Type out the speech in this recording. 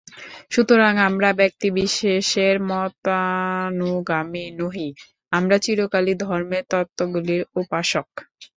সুতরাং আমরা ব্যক্তিবিশেষের মতানুগামী নহি, আমরা চিরকালই ধর্মের তত্ত্বগুলির উপাসক।